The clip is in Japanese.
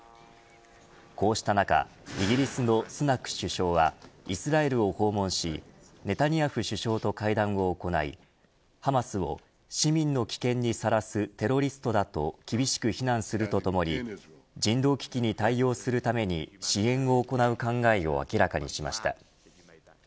こうした中イギリスのスナク首相はイスラエルを訪問しネタニヤフ首相と会談を行いハマスを、市民を危険にさらすテロリストだと厳しく非難するとともに人道危機に対応するために支援を行う考えを明らかにしました。